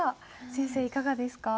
先生いかがですか？